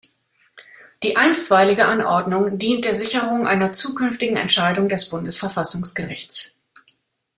Die einstweilige Anordnung dient der Sicherung einer zukünftigen Entscheidung des Bundesverfassungsgerichts.